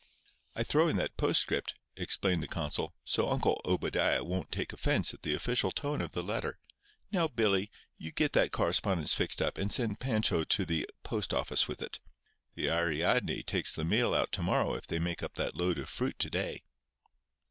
"I throw in that postscript," explained the consul, "so Uncle Obadiah won't take offence at the official tone of the letter! Now, Billy, you get that correspondence fixed up, and send Pancho to the post office with it. The Ariadne takes the mail out to morrow if they make up that load of fruit to day."